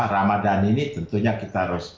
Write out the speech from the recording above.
ramadan ini tentunya kita harus